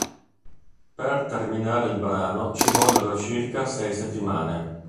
Per terminare il brano ci vollero circa sei settimane.